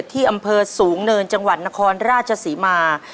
ที่อำเภอสูงเนินจังหวัดนครราชศรีมา